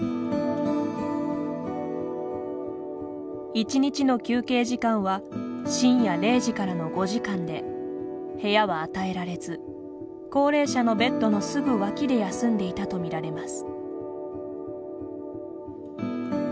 １日の休憩時間は深夜０時からの５時間で部屋は与えられず高齢者のベッドのすぐ脇で休んでいたとみられます。